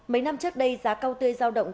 mấy năm trước đây giá câu tươi giao động